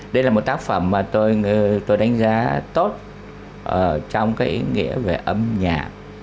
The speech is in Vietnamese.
đây là một tác phẩm mà tôi đánh giá tốt trong cái ý nghĩa về âm nhạc